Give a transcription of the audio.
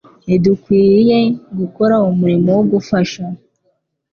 Ntidukwiye gukora umurimo wo gufasha